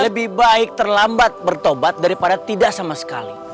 lebih baik terlambat bertobat daripada tidak sama sekali